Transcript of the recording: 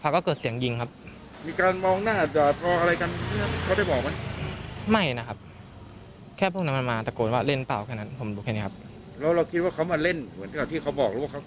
แล้วเราคิดว่าเขามาเล่นเหมือนกับที่เขาบอกหรือว่าเขากลับมาเอาตายเลยครับ